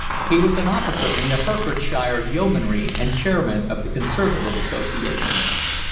He was an officer in the Hertfordshire Yeomanry and chairman of the Conservative Association.